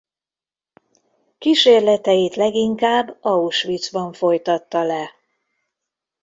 Kísérleteit leginkább Auschwitzban folytatta le.